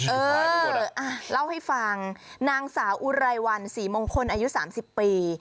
เอออ่ะเล่าให้ฟังนางสาวอุรัยวัลสี่มงคลอายุสามสิบปี